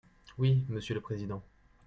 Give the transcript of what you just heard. Oui, monsieur le président.